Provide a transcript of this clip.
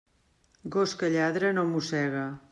Gos que lladra, no mossega.